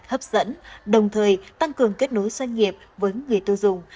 hấp dẫn đồng thời tăng cường kết nối doanh nghiệp với người tiêu dùng